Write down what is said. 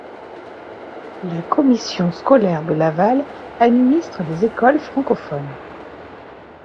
La Commission scolaire de Laval administre les écoles francophones.